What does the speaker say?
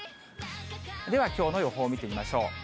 ではきょうの予報見てみましょう。